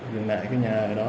dừng lại cái nhà ở đó